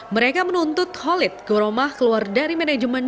mereka menuntut khalid kuromah keluar dari manajemen